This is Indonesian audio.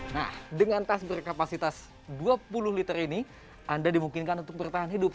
nah dengan tas berkapasitas dua puluh liter ini anda dimungkinkan untuk bertahan hidup